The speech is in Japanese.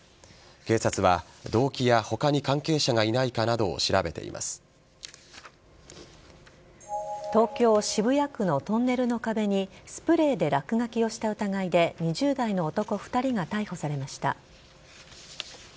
警察は動機や他に関係者がいないかなどを東京・渋谷区のトンネルの壁にスプレーで落書きをした疑いで２０代の男２人が逮捕されました。